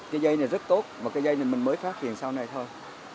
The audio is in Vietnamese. cái dây này rất tốt mà cái dây này mình mới phát hiện sau này thôi